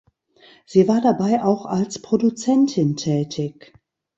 Sie war dabei auch als Produzentin tätig.